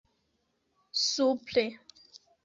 supre